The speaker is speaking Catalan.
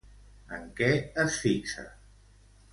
En què es fixa?